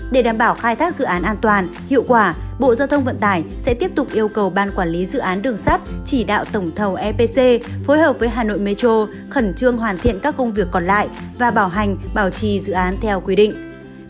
để đảm bảo khai thác dự án an toàn hiệu quả bộ giao thông vận tải sẽ tiếp tục yêu cầu ban quản lý dự án đường sắt chỉ đạo tổng thầu epc phối hợp với hà nội metro khẩn trương hoàn thiện các công việc còn lại và bảo hành bảo trì dự án theo quy định